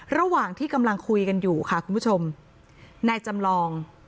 ระหว่างที่กำลังคุยกันอยู่ค่ะคุณผู้ชมนายจำลอง